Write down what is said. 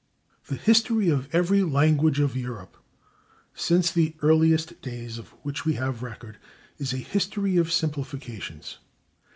The history of every language of Europe, since the earliest days of which we have record, is a history of simplifications.